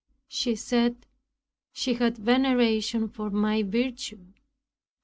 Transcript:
She said, "she had veneration for my virtue."